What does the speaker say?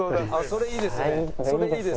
それいいですね。